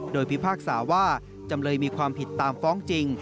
โดยพิพากษาว่าจำเลยมีความผิดตามฟ้องจริง